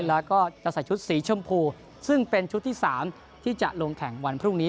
แล้วก็จะใส่ชุดสีชมพูซึ่งเป็นชุดที่๓ที่จะลงแข่งวันพรุ่งนี้